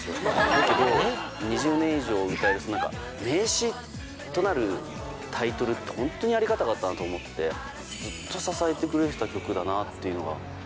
だけど、２０年以上歌って、名刺となるタイトルって、本当にありがたかったなと思ってて、ずっと支えてくれてた曲だなっていうのが。